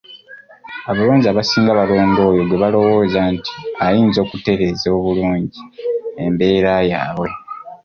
Abalonzi abasinga balonda oyo gwe balowooza nti ayinza okutereeza obulungi embeera yaabwe.